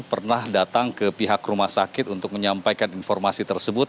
pernah datang ke pihak rumah sakit untuk menyampaikan informasi tersebut